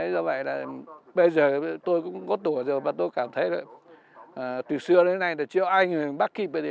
do vậy là bây giờ tôi cũng có tuổi rồi và tôi cảm thấy từ xưa đến nay là chưa ai bác kịp